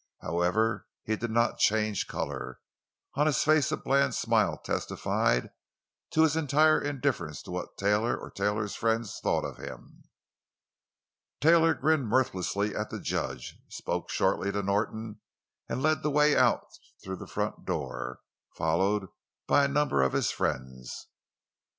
However, he did not change color; on his face a bland smile testified to his entire indifference to what Taylor or Taylor's friends thought of him. Taylor grinned mirthlessly at the judge, spoke shortly to Norton, and led the way out through the front door, followed by a number of his friends.